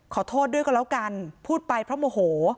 ขอโทษด้วยก็แล้วกันพูดไปเพราะโมโห